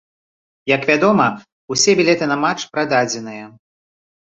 Як вядома, усе білеты на матч прададзеныя.